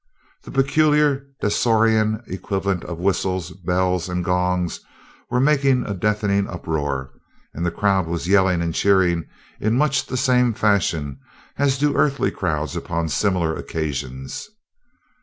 The peculiar Dasorian equivalents of whistles, bells, and gongs were making a deafening uproar, and the crowd was yelling and cheering in much the same fashion as do earthly crowds upon similar occasions.